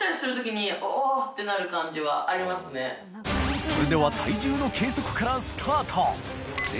磴修譴任体重の計測からスタート磴